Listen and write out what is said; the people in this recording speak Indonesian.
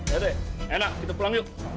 ya deh enak kita pulang yuk